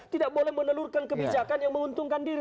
tidak boleh menelurkan kebijakan yang menguntungkan diri